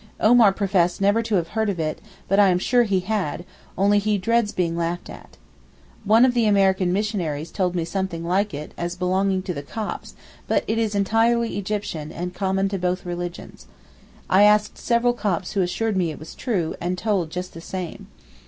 Omar professed never to have heard of it, but I am sure he had, only he dreads being laughed at. One of the American missionaries told me something like it as belonging to the Copts, but it is entirely Egyptian, and common to both religions. I asked several Copts who assured me it was true, and told it just the same.